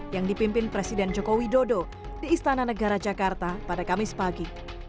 yang dipimpin presiden joko widodo di istana negara jakarta pada kamis pagi